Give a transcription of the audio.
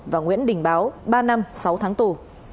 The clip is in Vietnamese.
và nguyễn đình báo ba năm sáu tháng tù